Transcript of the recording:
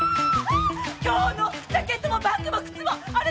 今日のジャケットもバッグも靴もあれ